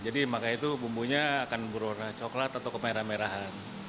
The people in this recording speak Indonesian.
jadi makanya itu bumbunya akan berwarna coklat atau kemerah merahan